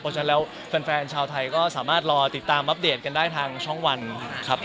เพราะฉะนั้นแล้วแฟนชาวไทยก็สามารถรอติดตามอัปเดตกันได้ทางช่องวันครับ